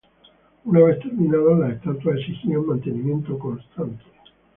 Una vez terminadas, las estatuas exigían mantenimiento constante.